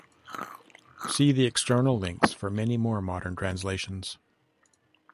See the external links for many more modern translations.